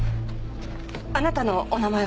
あなたのお名前は？